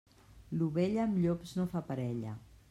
L'ovella amb llops no fa parella.